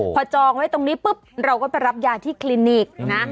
พอจองไว้ตรงนี้ปุ๊บเราก็ไปรับยาที่คลินิกนะ